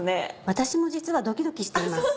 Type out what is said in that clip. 私も実はドキドキしています。